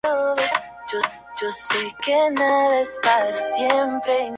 Unas tres mil familias poseían la mitad de la tierra en Siria.